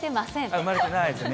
生まれてないですよね。